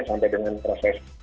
sampai dengan proses